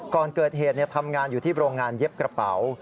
ก่อนเกิดเหตุทำงานอยู่ที่โรงงานเย็บกระเป๋า